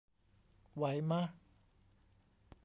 ไหวมะ